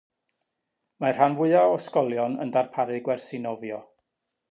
Mae'r rhan fwyaf o ysgolion yn darparu gwersi nofio.